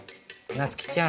なつきちゃん？